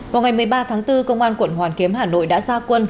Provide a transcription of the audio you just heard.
vào ngày một mươi ba tháng bốn công an quận hoàn kiếm hà nội đã ra quân